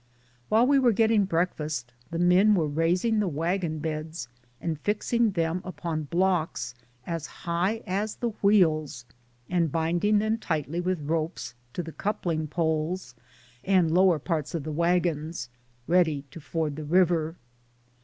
While we were getting break fast the men were raising the wagon beds and fixing them upon blocks as high as the wheels, and binding them tight with ropes to the coupling poles and lower parts of the wagons, ready to ford the river.